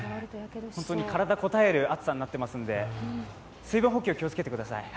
体にこたえる暑さになっていますので、水分補給、気をつけてください。